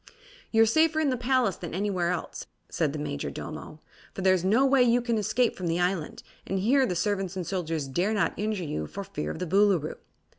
"You're safer in the palace than anywhere else," said the Majordomo, "for there is no way you can escape from the island, and here the servants and soldiers dare not injure you for fear of the Boolooroo."